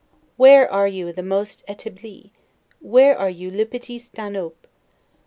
Where are you the most 'etabli'? Where are you 'le petit Stanhope?